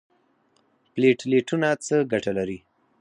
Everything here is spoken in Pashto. پلیټلیټونه څه ګټه لري؟